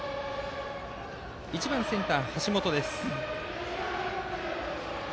打席は１番センター、橋本です。